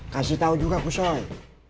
kasih tau juga kusoy